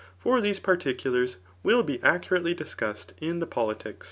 For these particulars wilt be accurately discussed in the Politics.